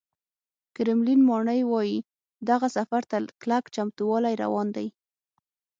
کرملین ماڼۍ وایي، دغه سفر ته کلک چمتووالی روان دی